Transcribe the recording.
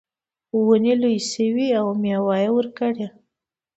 ونې لویې شوې او میوه یې ورکړه.